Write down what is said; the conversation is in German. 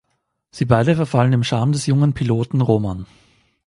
Sie beide verfallen dem Charme des jungen Piloten Roman.